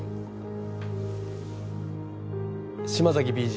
島崎